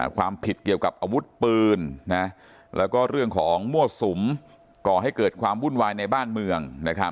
ความผิดเกี่ยวกับอาวุธปืนแล้วก็เรื่องของมั่วสุมก่อให้เกิดความวุ่นวายในบ้านเมือง